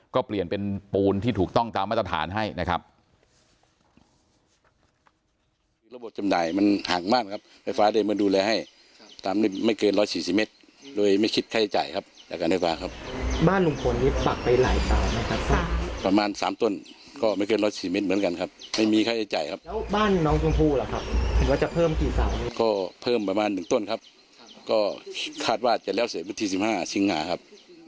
ก็เปลี่ยนเป็นปูนที่ถูกต้องตามมาตรฐานให้นะครับ